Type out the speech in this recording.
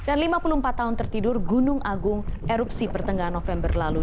dan lima puluh empat tahun tertidur gunung agung erupsi pertengahan november lalu